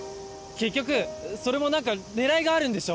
結局それも何か狙いがあるんでしょ？